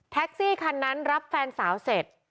ซี่คันนั้นรับแฟนสาวเสร็จ